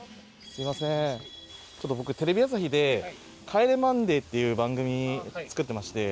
僕テレビ朝日で『帰れマンデー』っていう番組作ってまして。